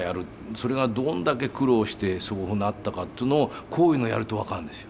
それがどんだけ苦労してそうなったかっていうのをこういうのやると分かるんですよ。